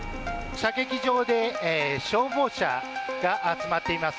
射撃場で消防車が集まっています。